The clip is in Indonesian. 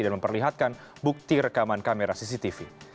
dan memperlihatkan bukti rekaman kamera cctv